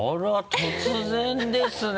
突然ですね。